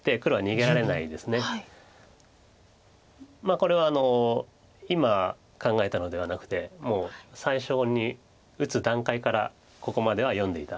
これは今考えたのではなくてもう最初に打つ段階からここまでは読んでいたということです。